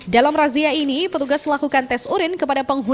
dalam razia ini petugas melakukan tes urin kepada penghuni